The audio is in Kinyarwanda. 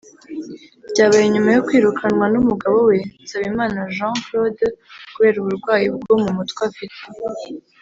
byabaye nyuma yo kwirukanwa n’umugabo we Nsabimana Jean Claude kubera uburwayi bwo mu mutwe afite